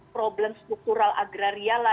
problem struktural agrariala